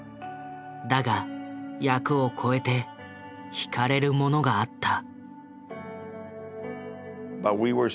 だが役を超えてひかれるものがあった。